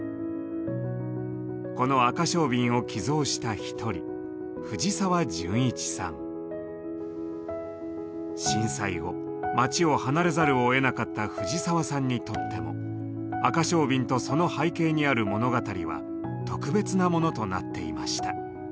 このアカショウビンを寄贈した１人震災後町を離れざるをえなかった藤澤さんにとってもアカショウビンとその背景にある物語は特別なものとなっていました。